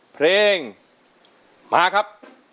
เพลงมาครับ